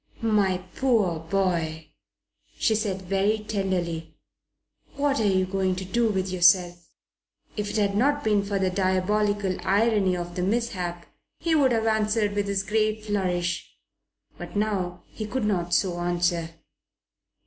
"My poor boy!" she said very tenderly. "What are you going to do with yourself?" If it had not been for the diabolical irony of the mishap he would have answered with his gay flourish. But now he could not so answer.